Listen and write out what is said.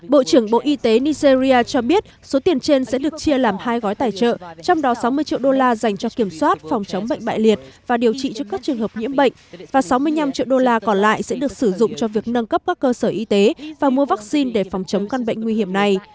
bộ trưởng bộ y tế nigeria cho biết số tiền trên sẽ được chia làm hai gói tài trợ trong đó sáu mươi triệu đô la dành cho kiểm soát phòng chống bệnh bại liệt và điều trị cho các trường hợp nhiễm bệnh và sáu mươi năm triệu đô la còn lại sẽ được sử dụng cho việc nâng cấp các cơ sở y tế và mua vaccine để phòng chống căn bệnh nguy hiểm này